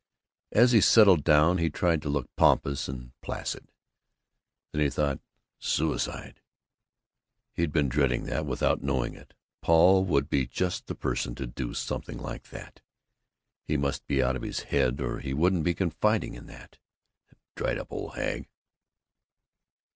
As he settled down he tried to look pompous and placid. Then the thought Suicide. He'd been dreading that, without knowing it. Paul would be just the person to do something like that. He must be out of his head or he wouldn't be confiding in that that dried up hag.